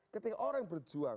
ketika orang yang berjuang